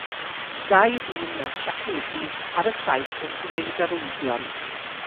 Dau ddyn mewn siacedi ar y traeth yn gwneud arwyddion.